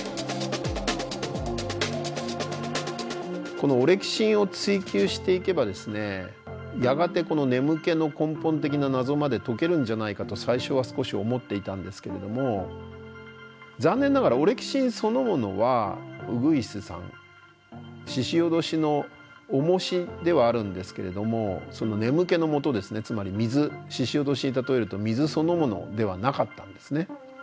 このオレキシンを追究していけばですねやがてこの眠気の根本的な謎まで解けるんじゃないかと最初は少し思っていたんですけれども残念ながらオレキシンそのものはウグイスさんししおどしのおもしではあるんですけれどもその眠気のもとですねつまり水ししおどしに例えると水そのものではなかったんですね。